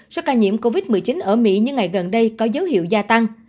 do ca nhiễm covid một mươi chín ở mỹ như ngày gần đây có dấu hiệu gia tăng